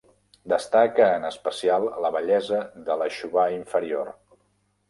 Destaca en especial la bellesa de l'aixovar inferior.